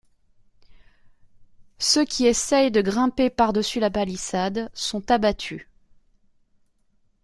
Ceux qui essayent de grimper par-dessus la palissade sont abattus.